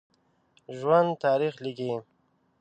ژوندي تاریخ لیکي